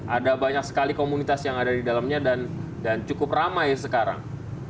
ada banyak sekali komunitas yang ada di dalamnya dan cukup ramai sekarang